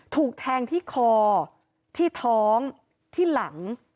ถูกแทงที่คอที่ท้องที่หลัง